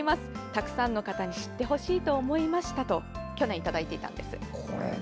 たくさんの方に知ってほしいと思いましたと去年いただいていたんです。